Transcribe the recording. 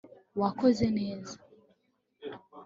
wakoze neza